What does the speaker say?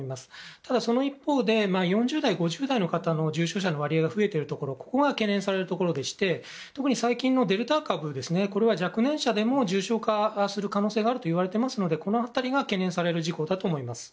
ただ、その一方で４０代５０代の重症者の割合が増えているのが懸念されているところでして特に最近のデルタ株は若年者でも重症化する可能性があるといわれていますのでこの辺りが懸念される事項だと思います。